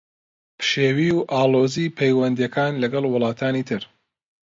پشێوی و ئاڵۆزیی پەیوەندییەکان لەگەڵ وڵاتانی تر